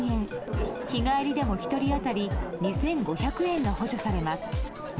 日帰りでも１人当たり２５００円が補助されます。